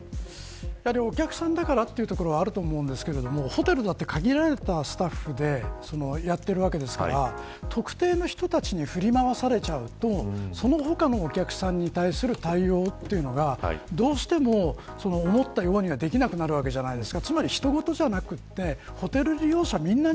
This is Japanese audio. やはりお客さんだからということはあると思うんですけど、ホテルだと限られたスタッフでやっているわけですから特定の人たちに振り回されちゃうとその他のお客さんに対する対応というのがどうしても、思ったようにはできなくなるわけじゃないですか。